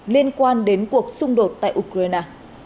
liên quan đến cuộc xung đột tại ukraine